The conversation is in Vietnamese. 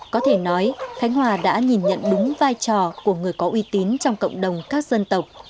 có thể nói khánh hòa đã nhìn nhận đúng vai trò của người có uy tín trong cộng đồng các dân tộc